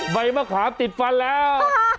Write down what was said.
ใบมะขามติดฟันแล้ว